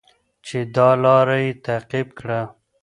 چې دا لاره یې تعقیب کړه.